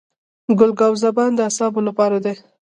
ګل ګاو زبان د اعصابو لپاره دی.